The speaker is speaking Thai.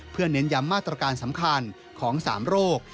เพื่อเน้นย้ำมาตรการสำคัญของ๓โรค